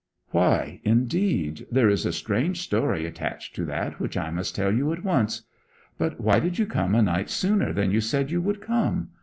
'Why, indeed! There is a strange story attached to that, which I must tell you at once. But why did you come a night sooner than you said you would come?